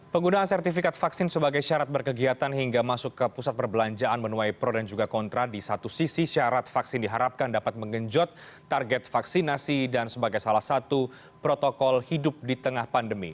penggunaan sertifikat vaksin sebagai syarat berkegiatan hingga masuk ke pusat perbelanjaan menuai pro dan juga kontra di satu sisi syarat vaksin diharapkan dapat mengenjot target vaksinasi dan sebagai salah satu protokol hidup di tengah pandemi